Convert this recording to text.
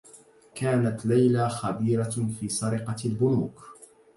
كانت ليلى خبيرة في سرقة البنوك.